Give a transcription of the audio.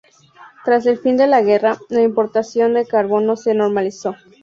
Tras el fin de la guerra, la importación de carbón se normalizó.